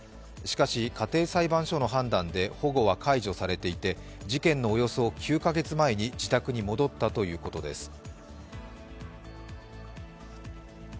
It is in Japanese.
しかし、家庭裁判所の判断で保護は解除されていて事件のおよそ９カ月前に自宅に戻ったということです。